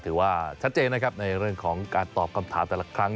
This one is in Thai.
ถือว่าชัดเจนนะครับในเรื่องของการตอบคำถามแต่ละครั้ง